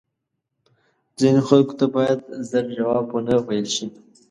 ځینو خلکو ته باید زر جواب وه نه ویل شې